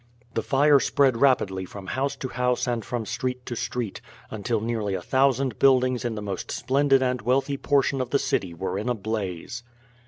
The fire spread rapidly from house to house and from street to street, until nearly a thousand buildings in the most splendid and wealthy portion of the city were in a blaze.